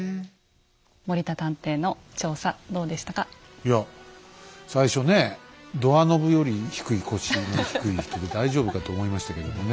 いや最初ねドアノブより腰の低い人で大丈夫かと思いましたけどもね